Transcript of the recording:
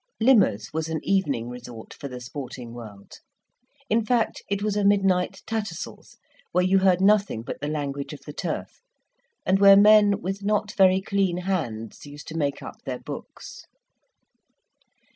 Limmer's was an evening resort for the sporting world; in fact, it was a midnight Tattersal's, where you heard nothing but the language of the turf, and where men with not very clean hands used to make up their books.